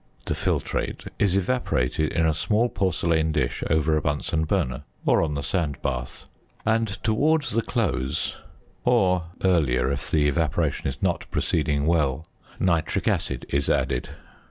The filtrate is evaporated in a small porcelain dish over a Bunsen burner, or on the sand bath; and towards the close (or earlier if the evaporation is not proceeding well) nitric acid is added.